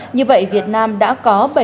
như vậy việt nam đã có